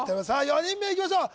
４人目いきましょう